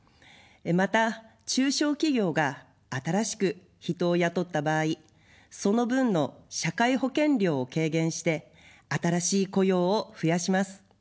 また中小企業が新しく人を雇った場合、その分の社会保険料を軽減して新しい雇用を増やします。